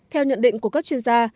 theo nhận định của các chuyên gia